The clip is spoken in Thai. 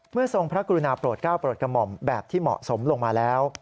ทรงพระกรุณาโปรดก้าวโปรดกระหม่อมแบบที่เหมาะสมลงมาแล้ว